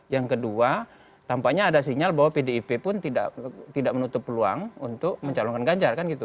yang kedua tampaknya ada sinyal bahwa pdip pun tidak menutup peluang untuk menjalonkan ganjar